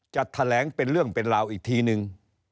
จะแถลงเป็นเรื่องเป็นราวอีกทีนึง